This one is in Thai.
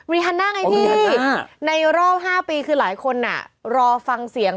ฮันน่าไงพี่ในรอบ๕ปีคือหลายคนรอฟังเสียง